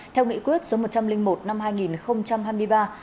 theo nghị quyết số một trăm linh một năm hai nghìn hai mươi ba